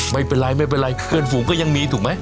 ไม่เป็นไรเพื่อนฝูงก็ยังมีถูกมั้ย